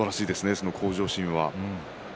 その向上心は。